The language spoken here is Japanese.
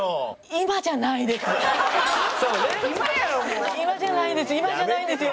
今じゃないんですよ。